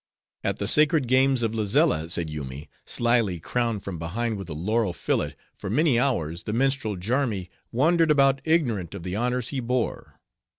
"At the sacred games of Lazella," said Yoomy, "slyly crowned from behind with a laurel fillet, for many hours, the minstrel Jarmi wandered about ignorant of the honors he bore.